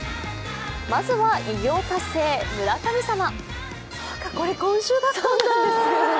まずは偉業達成、村神様。